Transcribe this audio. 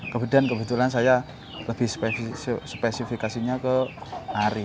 kemudian kebetulan saya lebih spesifikasinya ke nari